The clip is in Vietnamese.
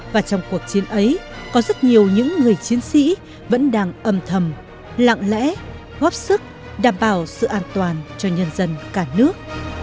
và trong cuộc chiến ấy có rất nhiều những người chiến sĩ vẫn đang âm thầm lặng lẽ góp sức đảm bảo sự an toàn cho nhân dân cả nước